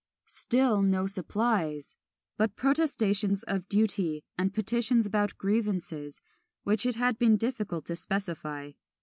Still no supplies! but protestations of duty, and petitions about grievances, which it had been difficult to specify.